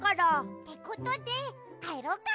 ってことでかえろうか！